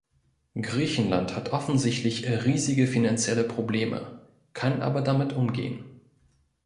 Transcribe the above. Griechenland hat offensichtlich riesige finanzielle Probleme, kann aber damit umgehen.